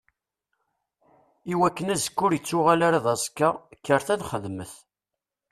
I wakken azekka ur ittuɣal ara d aẓekka, kkret ad nxedmet!